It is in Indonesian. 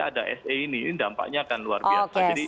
ada se ini ini dampaknya kan luar biasa oke